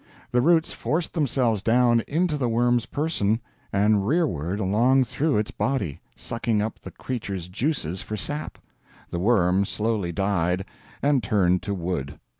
The roots forced themselves down into the worm's person, and rearward along through its body, sucking up the creature's juices for sap; the worm slowly died, and turned to wood.